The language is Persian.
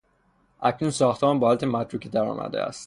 اکنون ساختمان به حالت متروکه درآمده است.